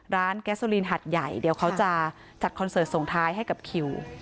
แก๊สโอลีนหัดใหญ่เดี๋ยวเขาจะจัดคอนเสิร์ตส่งท้ายให้กับคิว